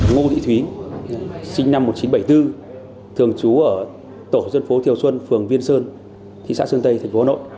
ngô thị thúy sinh năm một nghìn chín trăm bảy mươi bốn thường trú ở tổ dân phố thiều xuân phường viên sơn thị xã sơn tây tp hà nội